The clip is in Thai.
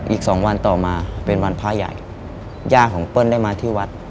อีกสองวันต่อมาเป็นวันพระใหญ่ย่าของเปิ้ลได้มาที่วัด